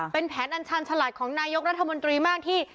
เป็นแผนอัญชาญฉลาดของนายกรัฐมนตรีมากที่